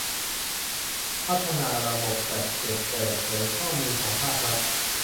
พัฒนาระบบจัดเก็บเปิดเผยข้อมูลของภาครัฐ